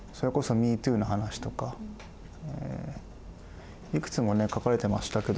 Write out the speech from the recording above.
ＭｅＴｏｏの話とかいくつもね書かれてましたけど。